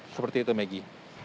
seperti itu megi